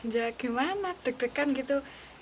ya gimana deg degan gitu